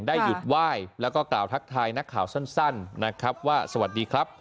ได้หยุดไหว้แล้วก็กล่าวทักทายนักข่าวสั้นนะครับว่าสวัสดีครับ